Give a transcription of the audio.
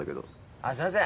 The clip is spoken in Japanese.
あっすみません。